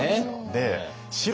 で白。